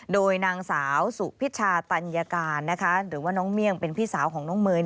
โดยนางสาวสุพิชาตัญญาการหรือว่าน้องเมี่ยงเป็นพี่สาวของน้องเมย์